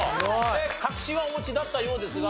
確信はお持ちだったようですが。